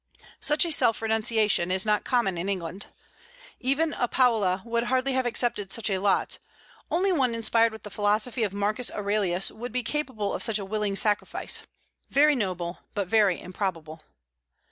Such a self renunciation is not common in England. Even a Paula would hardly have accepted such a lot; only one inspired with the philosophy of Marcus Aurelius would be capable of such a willing sacrifice, very noble, but very improbable.